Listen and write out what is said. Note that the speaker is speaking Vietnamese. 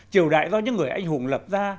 triều đại do những người anh hùng lập ra